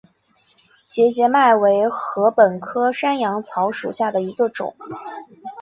节节麦为禾本科山羊草属下的一个种。